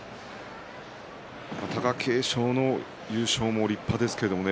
貴景勝の優勝も立派ですけどね